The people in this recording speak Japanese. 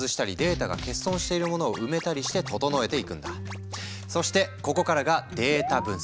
一方でそしてここからがデータ分析。